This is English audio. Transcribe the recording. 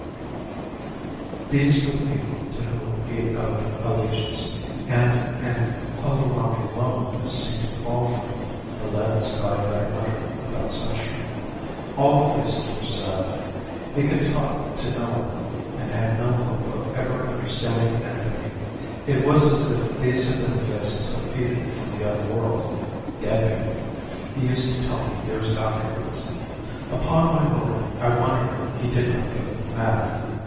"These were the people to whom he owed allegiance, and an overwhelming loneliness seemed to fall from the leaden sky of that winter without sunshine. All the faces were sad. He could talk to no one, and had no hope of ever understanding anybody. It was as if these had been the faces of people from the other world dead people he used to tell me years afterwards. Upon my word, I wonder he did not go mad.